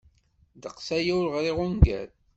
Ddeqs aya ur ɣriɣ ungal.